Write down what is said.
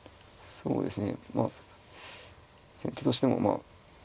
そうですね